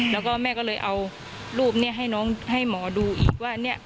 แล้วก็แม่ก็เลยเอารูปนี้ให้น้องให้หมอดูอีกว่าเนี่ย